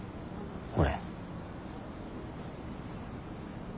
俺。